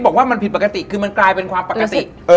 เออว่าวันนี้ไม่ปกติ